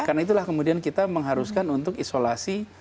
karena itulah kemudian kita mengharuskan untuk isolasi